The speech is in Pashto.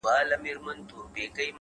هره ورځ د مثبت اثر فرصت لري,